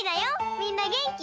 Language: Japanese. みんなげんき？